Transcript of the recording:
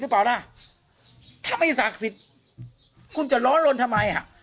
หรือเปล่านะถ้าไม่ศักดิ์สิดคุณจะร้อนลนทำไมอ่ะ